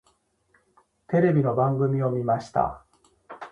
テレビの番組を見ました。